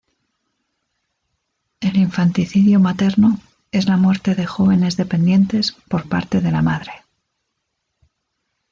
El infanticidio materno es la muerte de jóvenes dependientes por parte de la madre.